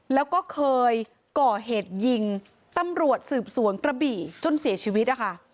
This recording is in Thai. แล้วก็เคยก่อเหตุยิงตำรวจสืบสวนกระบี่จนเสียชีวิตนะคะ